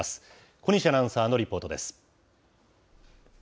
小西アナウンサーのリポートです。